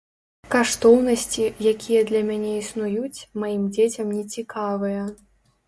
Каштоўнасці, якія для мяне існуюць, маім дзецям нецікавыя.